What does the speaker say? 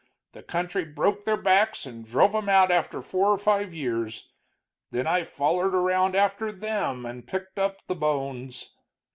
The country broke their backs and drove 'em out after four or five years. Then I follered around after them and picked up the bones.